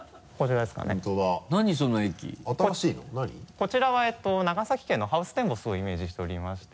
こちらは長崎県のハウステンボスをイメージしておりまして。